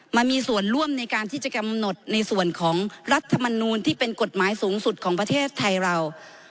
มามีส่วนร่วมในการที่จะกำหนดในส่วนของรัฐมนูลที่เป็นกฎหมายสูงสุดของประเทศไทยเรา